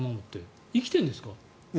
生きてるんですか？